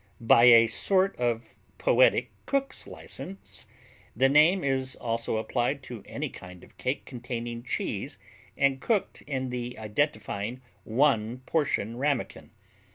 By a sort of poetic cook's license the name is also applied to any kind of cake containing cheese and cooked in the identifying one portion ramekin.